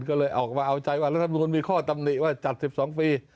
ก็เลยออกมาเอาใจว่ารัฐมนุนมีข้อตำหนิว่าจัด๑๒ปี